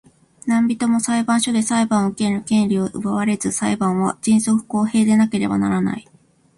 何人（なんびと）も裁判所で裁判を受ける権利を奪われず、裁判は迅速公平でなければならない。